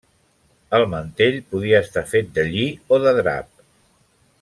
El mantell podia estar fet de lli o de drap.